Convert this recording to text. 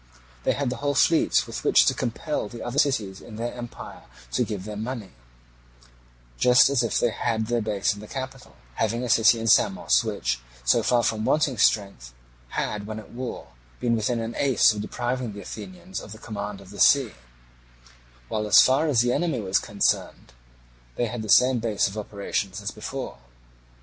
They had the whole fleet with which to compel the other cities in their empire to give them money just as if they had their base in the capital, having a city in Samos which, so far from wanting strength, had when at war been within an ace of depriving the Athenians of the command of the sea, while as far as the enemy was concerned they had the same base of operations as before.